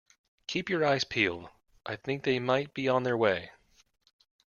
Keep your eyes peeled! I think they might be on their way.